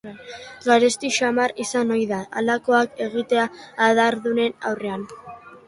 Garesti xamar izan ohi da halakoak egitea adardunen aurrean.